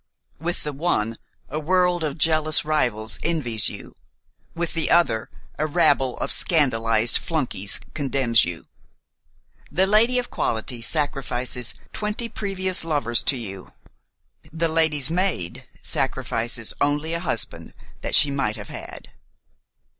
With the one a world of jealous rivals envies you; with the other a rabble of scandalized flunkeys condemns you. The lady of quality sacrifices twenty previous lovers to you; the lady's maid sacrifices only a husband that she might have had.